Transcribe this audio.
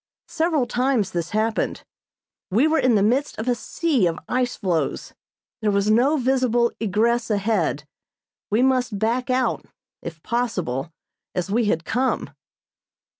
Several times this happened. We were in the midst of a sea of ice floes. There was no visible egress ahead; we must back out, if possible, as we had come.